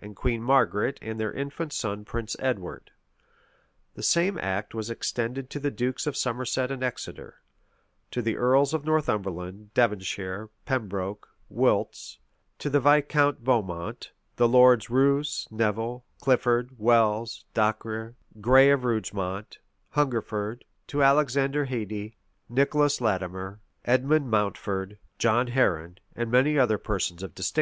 and Queen Margaret and their infant son Prince Edward: the same act was extended to the dukes of Somerset and Exeter; to the earls of Northumberland, Devonshire, Pembroke, Wilts; to the Viscount Beaumont; the Lords Roos, Nevil, Clifford, Welles, Dacre, Gray of Rugemont, Hungerford; to Alexander Hedie, Nicholas Latimer, Edmond Mountfort, John Heron, and many other persons of distinction.